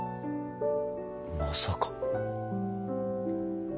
まさか。